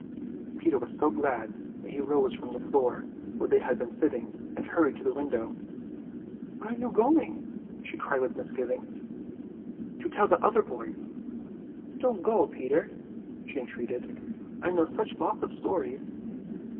Peter was so glad that he rose from the floor, where they had been sitting, and hurried to the window. "Where are you going?" she cried with misgiving. "To tell the other boys." "Don't go Peter," she entreated, "I know such lots of stories."